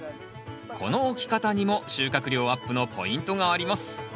この置き方にも収穫量アップのポイントがあります